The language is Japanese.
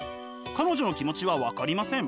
彼女の気持ちは分かりません。